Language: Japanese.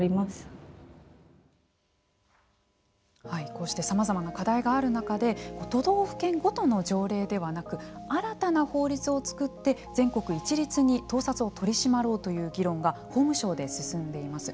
こうしてさまざまな課題がある中で都道府県ごとの条例ではなく新たな法律を作って全国一律に盗撮を取り締まろうという議論が法務省で進んでいます。